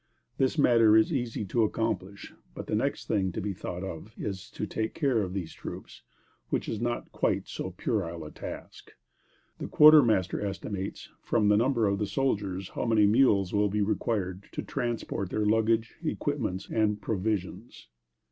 This matter is easy to accomplish; but the next thing to be thought of is to take care of these troops, which is not quite so puerile a task. The quartermaster estimates from the number of the soldiers how many mules will be required to transport their luggage, equipments and provisions.